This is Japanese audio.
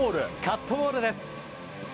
カットボールです。